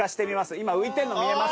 今浮いてんの見えます？